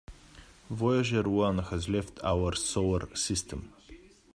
Voyager One has left our solar system.